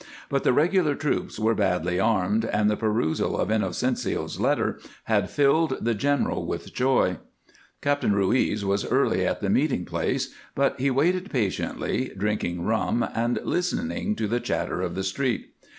But the regular troops were badly armed and the perusal of Inocencio's letter had filled the general with joy. Captain Ruiz was early at the meeting place, but he waited patiently, drinking rum and listening to the chatter of the street.